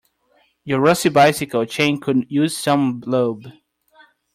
Your rusty bicycle chain could use some lube.